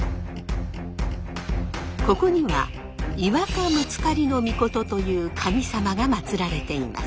ここには磐鹿六雁命という神様が祭られています。